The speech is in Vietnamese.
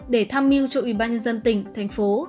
để tham mưu cho ubnd tỉnh thành phố